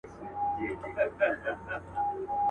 لا پخپله هم د بار په منځ کي سپور وو.